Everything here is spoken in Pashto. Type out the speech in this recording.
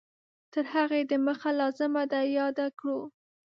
تر هغې د مخه لازمه ده یاده کړو